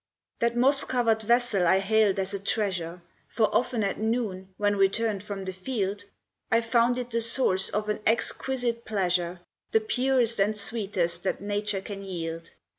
That moss covered vessel I hailed as a treasure, For often at noon, when returned from the field, I found it the source of an exquisite pleasure, The purest and sweetest that nature can yield.